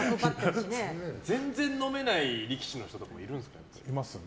全然飲めない力士の人とかもいるんですか？